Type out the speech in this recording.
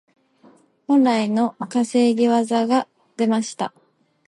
本来の担ぎ技が出ました。